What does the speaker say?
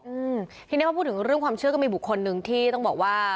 อืมทีนี้พอพูดถึงเรื่องความเชื่อก็มีบุคคลหนึ่งที่ต้องบอกว่า